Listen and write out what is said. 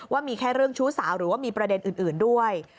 ว่ามีแค่เรื่องชู้สาวหรือว่ามีประเด็นอื่นด้วย